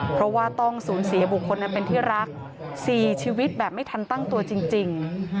เพราะว่าต้องสูญเสียบุคคลนั้นเป็นที่รัก๔ชีวิตแบบไม่ทันตั้งตัวจริง